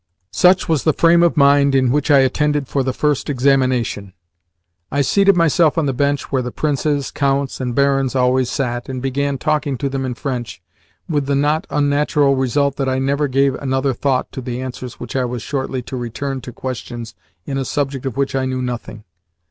Such was the frame of mind in which I attended for the first examination. I seated myself on the bench where the princes, counts, and barons always sat, and began talking to them in French, with the not unnatural result that I never gave another thought to the answers which I was shortly to return to questions in a subject of which I knew nothing.